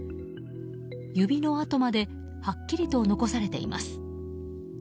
指の跡まではっきりと残されています。